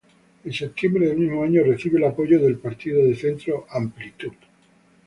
En septiembre del mismo año recibe el apoyo del partido de centro Amplitud.